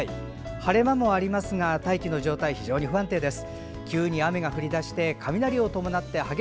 晴れ間もありますが大気の状態、非常に不安定です。